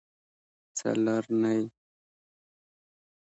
څلرنۍ